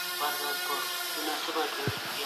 که حضوري ښوونکی حاضر وي لارښوونه ژر ورکول کيږي.